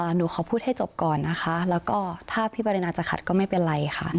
หนูขอพูดให้จบก่อนนะคะแล้วก็ถ้าพี่ปรินาจะขัดก็ไม่เป็นไรค่ะ